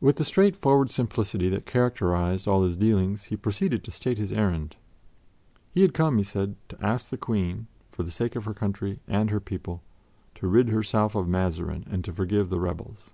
With the straightforward simplicity that characterized all his dealings, he proceeded to state his errand. He had come, he said, to ask the Queen, for the sake of her country and her people, to rid herself of Mazarin and to forgive the rebels.